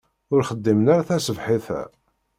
Ur xdimen ara taṣebḥit-a.